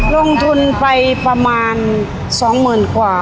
ลงทุนไปประมาณ๒หมื่นกว่า